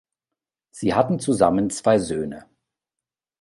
Sie hatten zusammen zwei Söhne.